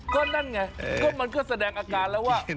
ก็นั่นไงก็มันก็แสดงอาการแล้วว่า